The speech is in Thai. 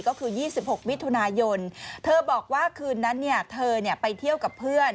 ก็คือ๒๖มิถุนายนเธอบอกว่าคืนนั้นเธอไปเที่ยวกับเพื่อน